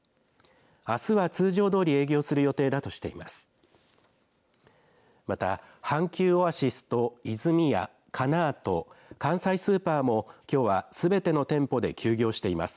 あすは通常どおり営業する予定だとしています。